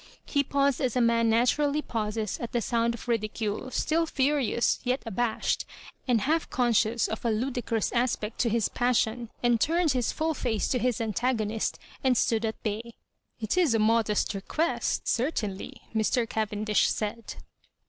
He paused as a man naturally pauses at the sound of ridicule, still fUrious, yet abashed, and half conscious of a ludicrous aspect to his passion — and turned his full &ce to his antagonist, and stood at bay. "It is a modest request, certamly," Mr. Caven dish said.